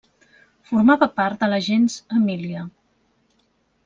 Formava part de la gens Emília.